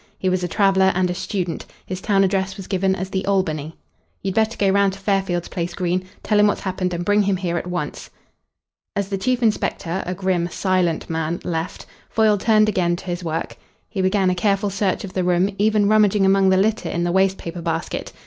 He was a traveller and a student. His town address was given as the Albany. "You'd better go round to Fairfield's place, Green. Tell him what's happened and bring him here at once." As the chief inspector, a grim, silent man, left, Foyle turned again to his work. He began a careful search of the room, even rummaging among the litter in the waste paper basket.